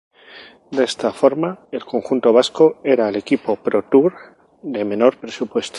De esta forma, el conjunto vasco era el equipo ProTour de menor presupuesto.